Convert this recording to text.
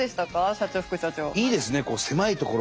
社長副社長。